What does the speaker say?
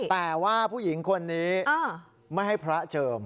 แต่ว่าผู้หญิงคนนี้ไม่ให้พระเจิม